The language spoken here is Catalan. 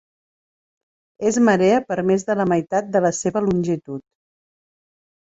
És marea per més de la meitat de la seva longitud.